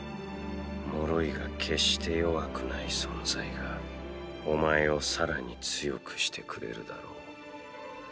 脆いが決して弱くない存在がお前を更に強くしてくれるだろう。